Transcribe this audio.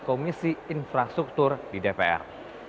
komisi infrastruktur di dpr